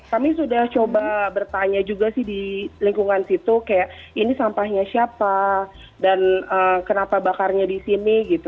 kami sudah coba bertanya juga sih di lingkungan situ kayak ini sampahnya siapa dan kenapa bakarnya di sini gitu